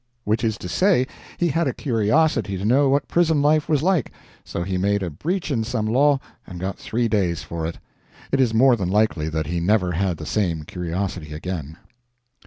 Which is to say, he had a curiosity to know what prison life was like; so he made a breach in some law and got three days for it. It is more than likely that he never had the same curiosity again.